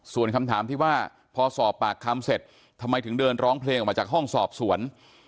ส่วนคำถามที่ว่าพอสอบปากคำเสร็จทำไมถึงเดินร้องเพลงออกมาจากห้องสอบสวน